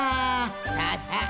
さあさあ